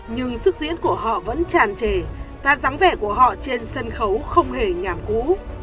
nhưng sức diễn của họ vẫn tràn trề và dáng vẻ của họ trên sân khấu không hề nhàm cũ